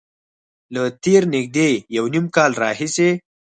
له تېر نږدې یو نیم کال راهیسې